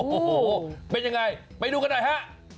โอ้โหเป็นยังไงไปดูกันหน่อยฮะ